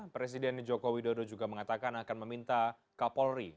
presiden joko widodo juga mengatakan akan meminta kapolri